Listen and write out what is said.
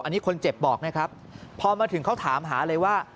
อันนี้คนเจ็บบอกนะครับพอมาถึงเขาถามหาเลยว่า